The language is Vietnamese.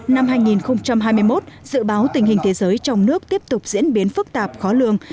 năm hai nghìn hai mươi một dự báo tình hình thế giới trong nước tiếp tục diễn biến phức tạp khó lường